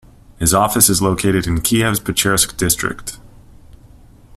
His office is located in Kiev's Pechersk District.